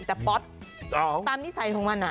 แต่ป๊อตตามนิสัยของมัน